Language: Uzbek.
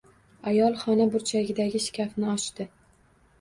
Ayol xona burchagidagi shkafni ochdi.